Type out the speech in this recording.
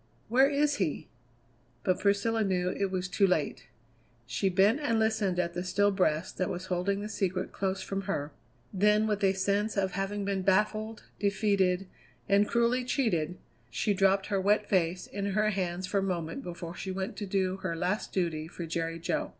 Where is he?" But Priscilla knew it was too late. She bent and listened at the still breast that was holding the secret close from her. Then, with a sense of having been baffled, defeated, and cruelly cheated, she dropped her wet face in her hands for a moment before she went to do her last duty for Jerry Jo.